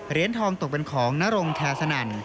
เหรียญทองตกเป็นของนรงแคร์สนั่น